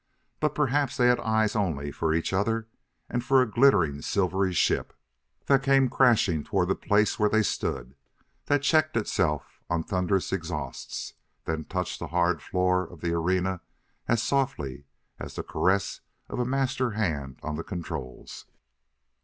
But perhaps they had eyes only for each other and for a glittering, silvery ship that came crashing toward the place where they stood, that checked itself on thunderous exhausts; then touched the hard floor of the arena as softly as the caress of a master hand on the controls.